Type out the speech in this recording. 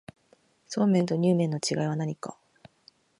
そうめんとにゅう麵の違いは何か